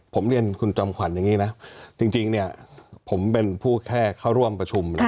ผมเรียนคุณจอมขวัญอย่างนี้นะจริงเนี่ยผมเป็นผู้แค่เข้าร่วมประชุม